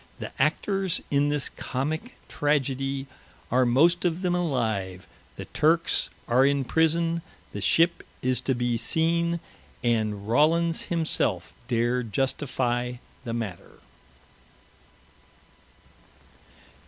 The Actors in this Comick Tragedie are most of them alive; The Turkes are in prison; the ship is to be seene, and Rawlins himselfe dare justifie the matter.